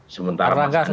sementara mas anies ada